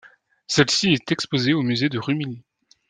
Celle-ci est exposée au musée de Rumilly.